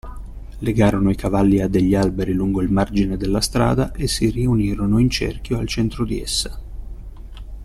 Legarono i cavalli a degli alberi lungo il margine della strada e si riunirono in cerchio al centro di essa.